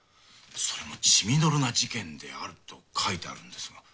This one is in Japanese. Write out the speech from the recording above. それも血みどろな事件であると書いてあるんですが。